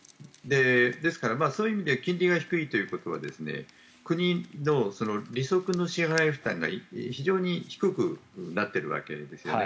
ですから、そういう意味で金利が低いということは国の利息の支払い負担が非常に低くなっているわけですよね。